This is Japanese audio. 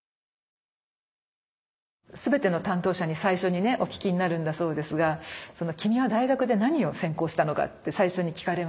全ての担当者に最初にねお聞きになるんだそうですが「君は大学で何を専攻したのか」って最初に聞かれまして。